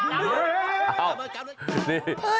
หลังวง